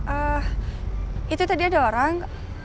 eh itu tadi ada orang